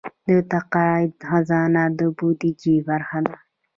د تقاعد خزانه د بودیجې برخه ده